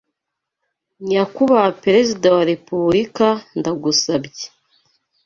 Nyakubaha perezida wa repuburika ndagusabye